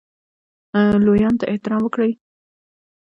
لویانو ته احترام وکړئ